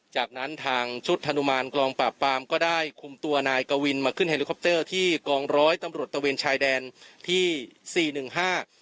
จากนั้นทางชุดธนุมานกองปราบปรามก็ได้คุมตัวนายกวินมาขึ้นเฮลิคอปเตอร์ที่กองร้อยตำรวจตะเวนชายแดนที่สี่หนึ่งห้า